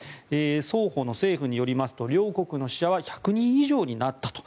双方の政府によりますと両国の死者は１００人以上になったと。